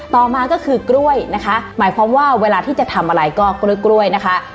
ต่อมาก็คือกล้วยนะคะหมายความว่าเวลาที่จะทำอะไรก็กล้วยกล้วยนะคะ